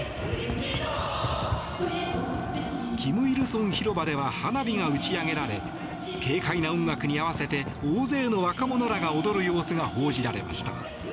成広場では花火が打ち上げられ軽快な音楽に合わせて大勢の若者らが踊る様子が報じられました。